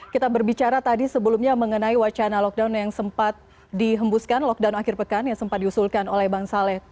kita berbicara tadi sebelumnya mengenai wacana lockdown yang sempat dihembuskan lockdown akhir pekan yang sempat diusulkan oleh bang saleh